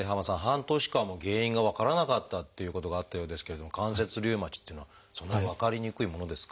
半年間も原因が分からなかったっていうことがあったようですけれども関節リウマチっていうのはそんなに分かりにくいものですか？